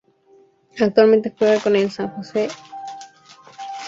Actualmente juega con el San Jose Earthquakes de la Major League Soccer.